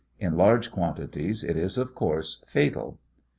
In large quantities it is, of course, fatal.